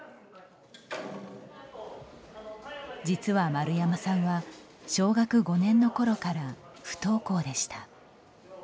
実は、丸山さんは小学５年のころから不登校でした。